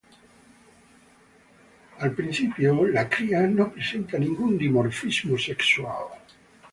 Al principio, la cría no presenta ningún dimorfismo sexual.